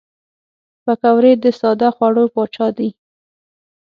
پکورې د ساده خوړو پاچا دي